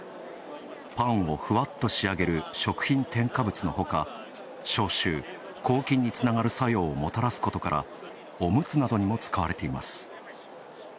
パンをフワッと仕上げる食品添加物のほか、消臭・抗菌につながる作用をもたらすことからおむつなどにも使われています。